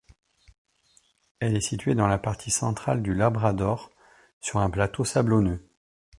Elle est située dans la partie centrale du Labrador, sur un plateau sablonneux.